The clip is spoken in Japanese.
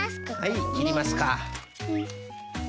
はいきりますか。